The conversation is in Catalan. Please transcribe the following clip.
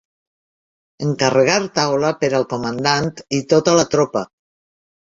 Encarregar taula per al comandant i tota la tropa.